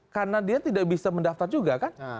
karena dia tidak bisa mendaftar juga kan